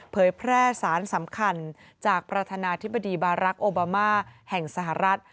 เผยแพร่สารสำคัญจากประธานาธิบดีบารักษ์โอบามาแห่งสหรัฐ